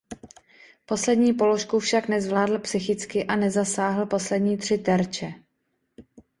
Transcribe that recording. Poslední položku však nezvládl psychicky a nezasáhl poslední tři terče.